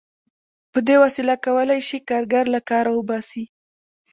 په دې وسیله کولای شي کارګر له کاره وباسي